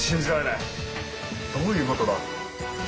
どういうことだ？